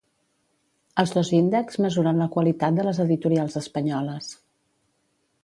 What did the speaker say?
Els dos índexs mesuren la qualitat de les editorials espanyoles.